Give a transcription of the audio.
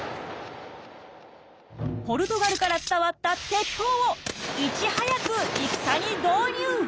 ポルトガルから伝わった鉄砲をいち早く戦に導入！